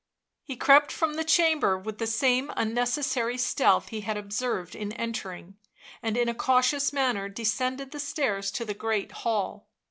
He crept from the chamber with the same unneces sary stealth he had observed in entering, and in a cautious manner descended the stairs to the great hall.